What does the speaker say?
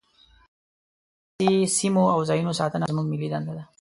دغسې سیمو او ځاینونو ساتنه زموږ ملي دنده ده.